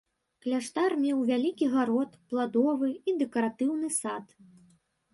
Кляштар меў вялікі гарод, пладовы і дэкаратыўны сад.